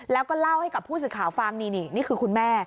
แล้วก็เล่าให้กับผู้สื่อข่าวฟังนี่นี่คือคุณแม่